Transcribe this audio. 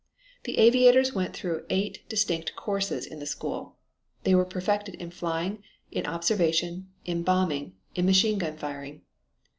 The aviators went through eight distinct courses in the school. They were perfected in flying, in observation, in bombing, in machine gun firing.